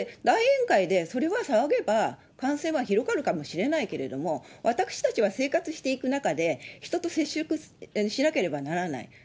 大宴会で、それは騒げば感染は広がるかもしれないけれども、私たちは生活していく中で、人と接触しなければならない。